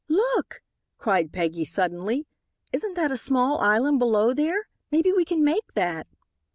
"Look," cried Peggy suddenly, "isn't that a small island below there? Maybe we can make that?"